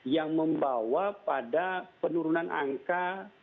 yang membawa pada penurunan angka